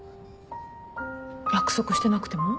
約束してなくても？